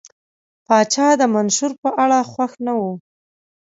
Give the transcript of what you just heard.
پاچا د منشور په اړه خوښ نه و.